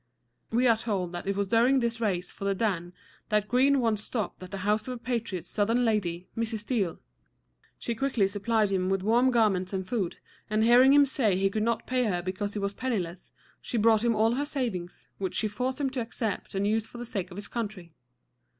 We are told that it was during this race for the Dan that Greene once stopped at the house of a patriot Southern lady, Mrs. Steele. She quickly supplied him with warm garments and food, and hearing him say he could not pay her because he was penniless, she brought him all her savings, which she forced him to accept and use for the sake of his country.